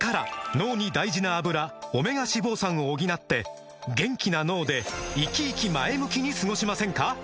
脳に大事な「アブラ」オメガ脂肪酸を補って元気な脳でイキイキ前向きに過ごしませんか？